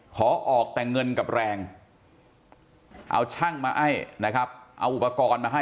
ขอออกแต่เงินกับแรงเอาช่างมาให้นะครับเอาอุปกรณ์มาให้